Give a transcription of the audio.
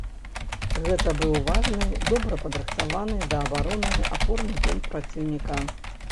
Гэта быў важны, добра падрыхтаваны да абароны апорны пункт праціўніка.